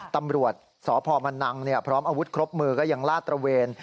ตำรวจสพมันนังพร้อมอาวุธครบมือก็ยังลาดตระเวน